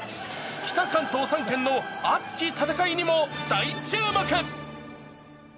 北関東３県の熱き戦いにも大注目。